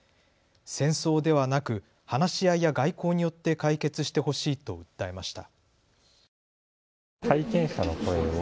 戦争ではなく話し合いや外交によって解決してほしいと訴えました。